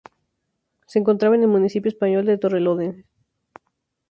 Se encontraba en el municipio español de Torrelodones.